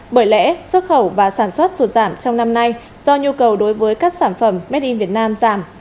bởi lẽ xuất khẩu và sản xuất sụt giảm trong năm nay do nhu cầu đối với các sản phẩm made in việt nam giảm